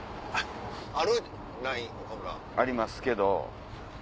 ありますけど。